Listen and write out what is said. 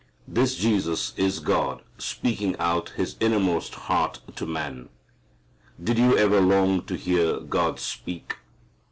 This Jesus is God speaking out His innermost heart to man. Did you ever long to hear God speak?